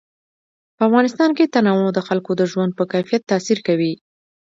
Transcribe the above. په افغانستان کې تنوع د خلکو د ژوند په کیفیت تاثیر کوي.